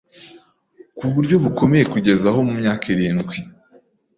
ku buryo bukomeye kugeza aho mu myaka irindwi